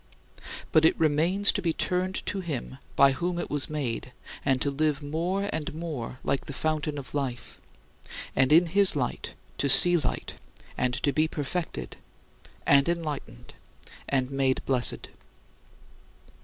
But it remains to be turned to him by whom it was made and to live more and more like "the fountain of life," and in his light "to see light," and to be perfected, and enlightened, and made blessed.